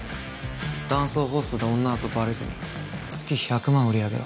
男装ホストで女だとバレずに月１００万売り上げろ。